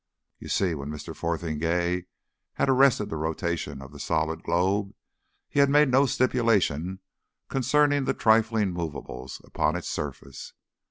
You see, when Mr. Fotheringay had arrested the rotation of the solid globe, he had made no stipulation concerning the trifling movables upon its surface.